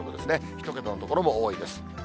１桁の所も多いです。